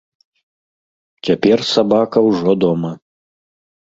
Цяпер сабака ўжо дома.